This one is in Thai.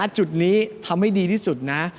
จุดนี้ทำให้ดีที่สุดนะ